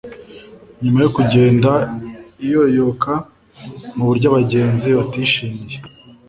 nyuma yo kugenda iyoyoka mu buryo abagenzi batishimiye